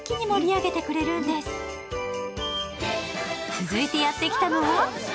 続いてやってきたのは？